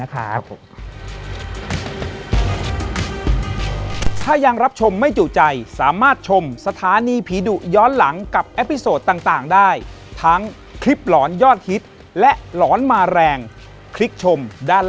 ขอบคุณนะครับครับผม